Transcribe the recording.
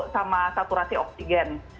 sama saturasi oksigen